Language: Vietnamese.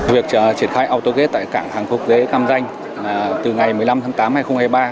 việc triển khai autogate tại cảng hàng quốc tế cam danh từ ngày một mươi năm tháng tám hai nghìn hai mươi ba